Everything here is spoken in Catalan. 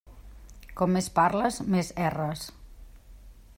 Com més parles, més erres.